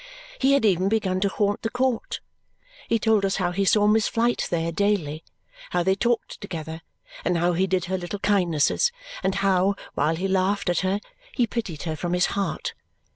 He had even begun to haunt the court. He told us how he saw Miss Flite there daily, how they talked together, and how he did her little kindnesses, and how, while he laughed at her, he pitied her from his heart.